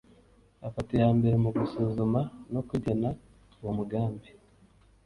afata iya mbere mu gusuzuma no kugena uwo mugambi